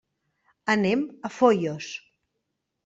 Anem a Foios.